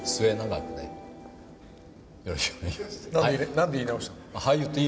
なんで言い直したの？